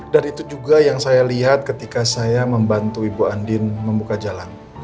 dan itu juga yang saya lihat ketika saya membantu ibu andin membuka jalan